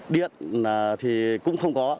điện thì cũng không có